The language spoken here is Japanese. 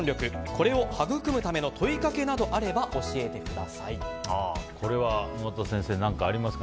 これを育むための問いかけなどがあればこれは沼田先生何かありますか。